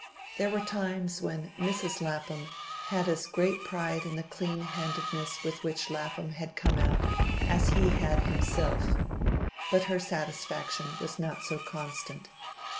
There were times when Mrs. Lapham had as great pride in the clean handedness with which Lapham had come out as he had himself, but her satisfaction was not so constant.